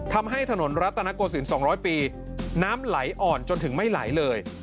ทำให้ถนนรัตนโกศิลป์๒๐๐ปีน้ำไหลอ่อนจนถึงไม่ไหลเลย